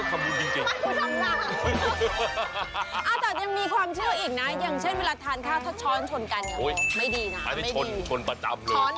คนละแบบกันอีกหนึ่งความเชื่อแล้วผมว่าถ้าตั้งใจที่บ้านอันนี้เป็นหลัง